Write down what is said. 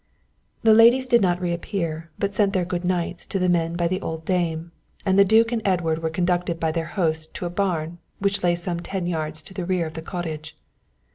The ladies did not re appear but sent their "good nights" to the men by the old dame, and the duke and Edward were conducted by their host to a barn which lay some ten yards to the rear of the cottage.